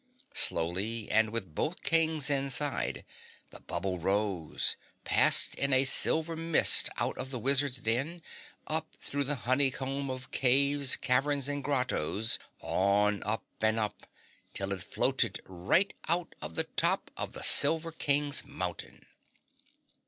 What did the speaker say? Slowly and with both Kings inside, the bubble rose, passed in a silver mist out of the wizard's den, up through the honeycomb of caves, caverns and grottos, on up and up, till it floated right out of the top of the Silver King's Mountain.